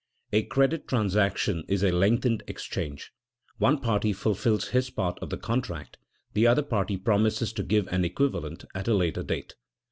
_ A credit transaction is a lengthened exchange; one party fulfils his part of the contract, the other party promises to give an equivalent at a later date.